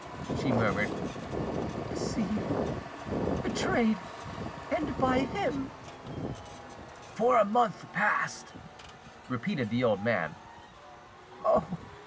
she murmured, "deceived, betrayed—and by him!" "For a month past," repeated the old man. "Oh!